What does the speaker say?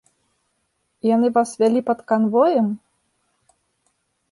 Яны вас вялі пад канвоем?